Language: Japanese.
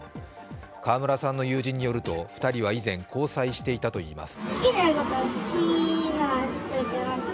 川村さんの友人によると、２人は以前、交際していたといいます。